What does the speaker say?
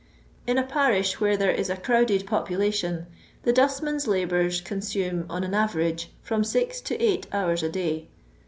In a parish where there is a crowded popuUi tion, the dustman's labours consume, on an average, from six to eight hours a day.